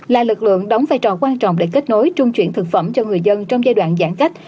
là lực lượng đóng vai trò quan trọng để kết nối trung chuyển thực phẩm cho người dân trong giai đoạn giãn cách